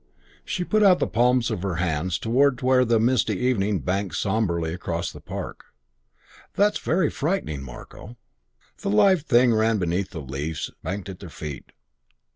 She put out the palms of her hands towards where misty evening banked sombrely across the park. "That's very frightening, Marko." The live thing ran beneath the leaves banked at their feet.